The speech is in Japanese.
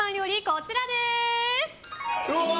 こちらです。